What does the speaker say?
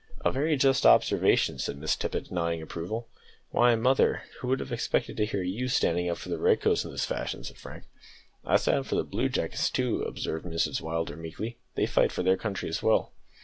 "A very just observation," said Miss Tippet, nodding approval. "Why, mother, who would have expected to hear you standing up for the red coats in this fashion?" said Frank. "I stand up for the blue jackets too," observed Mrs Willders meekly; "they fight for their country as well."